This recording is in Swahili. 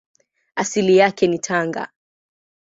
Asili yake ni Tanga.